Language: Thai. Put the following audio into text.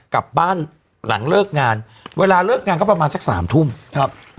กลับบ้านหลังเลิกงานเวลาเลิกงานก็ประมาณสักสามทุ่มครับ